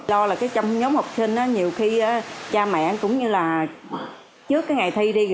lo là trong nhóm học sinh nhiều khi cha mẹ cũng như là trước cái ngày thi đi